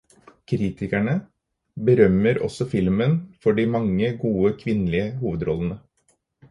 Kritikerne berømmer også filmen for de mange, gode kvinnelige hovedrollene.